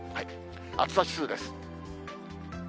暑さ指数です。